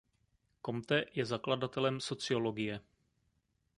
Comte je zakladatelem sociologie.